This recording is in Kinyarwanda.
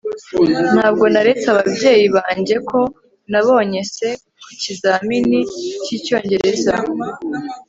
ntabwo naretse ababyeyi banjye ko nabonye c ku kizamini cy'icyongereza